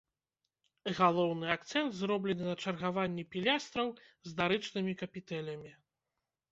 Галоўны акцэнт зроблены на чаргаванні пілястраў з дарычнымі капітэлямі.